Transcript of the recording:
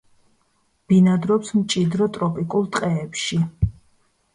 ბინადრობს მჭიდრო ტროპიკულ ტყეებში.